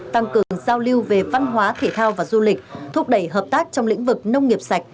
tăng cường giao lưu về văn hóa thể thao và du lịch thúc đẩy hợp tác trong lĩnh vực nông nghiệp sạch